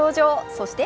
そして